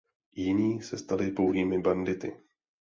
Jiní se stali pouhými bandity.